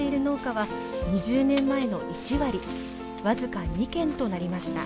僅か２軒となりました